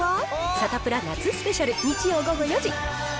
サタプラ夏スペシャル、日曜午後４時。